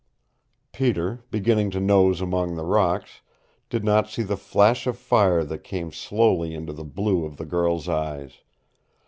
Peter, beginning to nose among the rocks, did not see the flash of fire that came slowly into the blue of the girl's eyes.